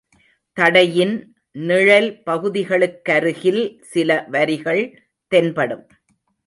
தடையின் நிழல் பகுதிகளுக்கருகில் சில வரிகள் தென் படும்.